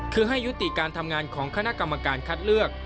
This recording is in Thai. คือให้ยุติการทำงานของคณะกรรมการคัดเลือก